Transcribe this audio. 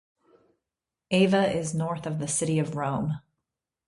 Ava is north of the city of Rome.